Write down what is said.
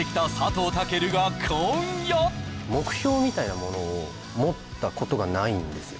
目標みたいなものを持ったことがないんですよ